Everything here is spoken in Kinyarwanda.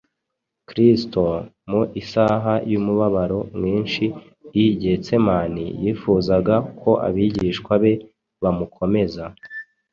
Kristo, mu isaha y’umubabaro mwinshi i Gitsemane, yifuzaga ko abigishwa be bamukomeza.